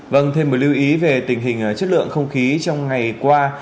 vâng thêm một lưu ý về tình hình chất lượng không khí trong ngày qua